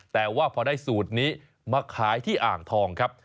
แต่ว่าพอได้สูตรนี้มาขายที่อ่างทองครับ